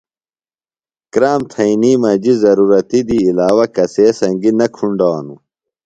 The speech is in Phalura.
کرام تھئینی مجیۡ ضرورَتیۡ دی عِلاوہ کسے سنگیۡ نہ کُھنڈانوۡ۔